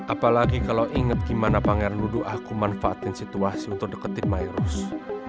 apalagi kalo inget gimana pangeran ludu aku manfaatin situasi untuk deketin my rose